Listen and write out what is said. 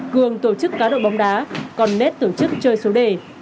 cường tổ chức cá độ bóng đá còn nết tổ chức chơi số đề